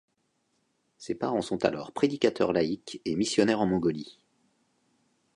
Ses parents sont alors prédicateurs laïcs et missionnaires en Mongolie.